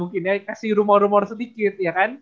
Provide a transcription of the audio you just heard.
kasih rumor rumor sedikit